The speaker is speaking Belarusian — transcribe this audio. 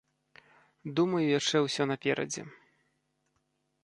Думаю яшчэ ўсё наперадзе.